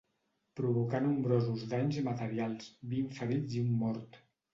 Provocà nombrosos danys materials, vint ferits i un mort.